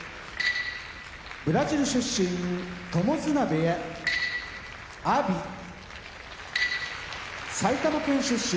ブラジル出身友綱部屋阿炎埼玉県出身